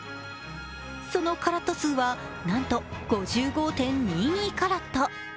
そのカラット数は、なんと５５．２２カラット。